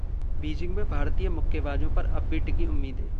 Beijing में भारतीय मुक्केबाजों पर अब भी टिकी उम्मीदें